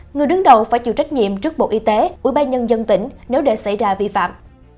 người đứng đầu phải chịu trách nhiệm trước bộ y tế ủy ban nhân dân tỉnh nếu để xảy ra vi phạm